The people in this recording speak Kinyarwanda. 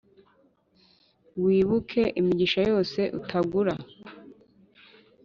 Wibuke imigisha yose utagura,